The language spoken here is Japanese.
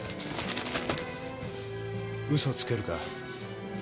嘘つけるか？